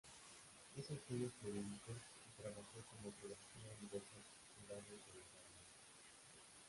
Hizo estudios jurídicos y trabajó como jurista en diversas ciudades de la Galia.